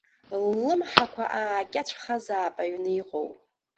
Ллымҳақәа аакьацәхазаап аҩн иҟоу.